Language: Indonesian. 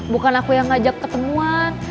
bukan aku yang ngajak ketemuan